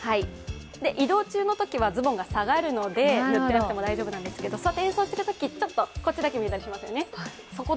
移動中のときはズボンが下がるので、塗っていなくても大丈夫なんですけど座って演奏してるとき、ちょっと見えるときがありますよね。